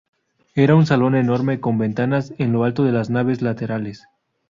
Era un salón enorme con ventanas en lo alto de las naves laterales.